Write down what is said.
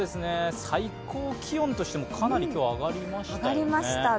最高気温としてもかなり今日は上がりましたね。